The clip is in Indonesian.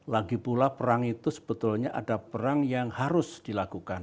lagipula perang itu sebetulnya ada perang yang harus dilakukan